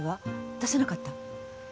出さなかった？